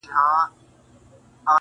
ورځ کښې غزل کال کښې کتاب ځکه ليکلے نشم